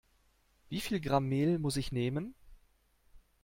Wie viel Gramm Mehl muss ich nehmen?